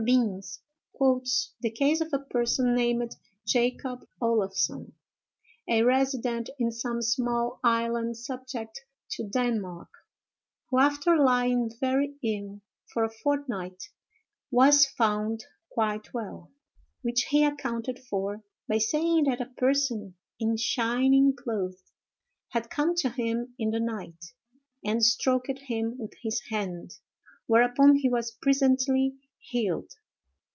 Binns quotes the case of a person named Jacob Olaffson, a resident in some small island subject to Denmark, who, after lying very ill for a fortnight, was found quite well, which he accounted for by saying that a person in shining clothes had come to him in the night and stroked him with his hand, whereupon he was presently healed.